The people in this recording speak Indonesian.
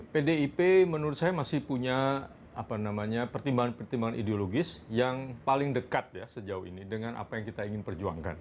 pdip menurut saya masih punya pertimbangan pertimbangan ideologis yang paling dekat ya sejauh ini dengan apa yang kita ingin perjuangkan